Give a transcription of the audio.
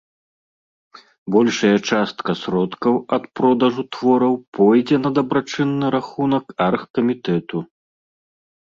Большая частка сродкаў ад продажу твораў пойдзе на дабрачынны рахунак аргкамітэту.